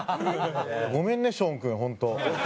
ごめんねショーン君本当。